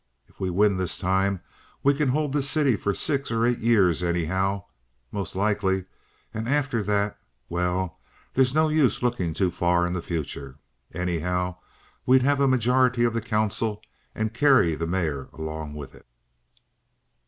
If we win this time we can hold the city for six or eight years anyhow, most likely, and after that—well, there's no use lookin' too far in the future—Anyhow we'd have a majority of the council and carry the mayor along with it."